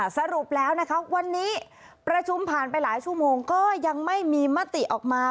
สรุปแล้วนะคะวันนี้ประชุมผ่านไปหลายชั่วโมงก็ยังไม่มีมติออกมา